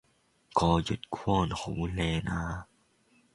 個月光好靚呀